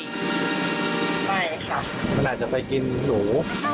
ไม่ค่ะมันอาจจะไปกินหนู